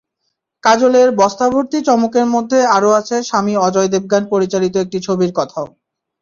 কাজলের বস্তাভর্তি চমকের মধ্যে আরও আছে স্বামী অজয় দেবগন পরিচালিত একটি ছবির কথাও।